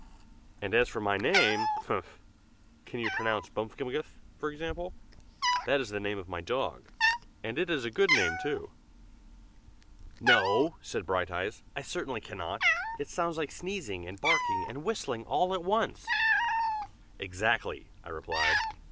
And as for my name humph! can you pronounce Bmfkmgth, for example? that is the name of my dog, and it is a good name, too." "No!" said Brighteyes. "I certainly cannot. It sounds like sneezing and barking and whistling all at once." "Exactly!" I replied.